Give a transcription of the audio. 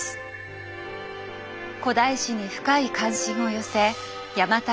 古代史に深い関心を寄せ邪馬台